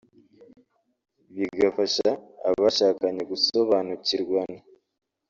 bigafasha abashakanye gusobanukirwana